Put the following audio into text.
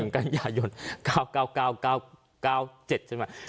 ๑กรกฎาคม๙๙๙๙๙๗ใช่มั้ย